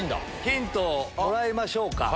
ヒントもらいましょうか。